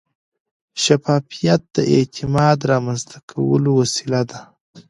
شفافیت د اعتماد رامنځته کولو وسیله ده.